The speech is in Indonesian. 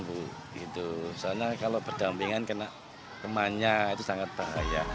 karena kalau berdampingan kena temannya itu sangat bahaya